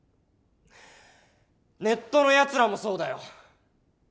ネットのやつらもそうだよ。